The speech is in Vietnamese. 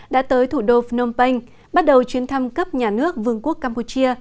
đã tới thủ đô phnom penh bắt đầu chuyến thăm cấp nhà nước vương quốc campuchia